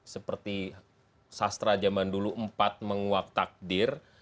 seperti sastra zaman dulu empat menguak takdir